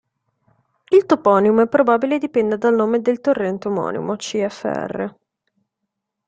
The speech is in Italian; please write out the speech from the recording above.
Il toponimo è probabile dipenda dal nome del torrente omonimo, cfr.